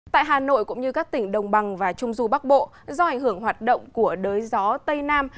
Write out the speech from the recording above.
tại hà nội cũng như các tỉnh đồng bằng và trung du bắc bộ do ảnh hưởng hoạt động của đới gió tây nam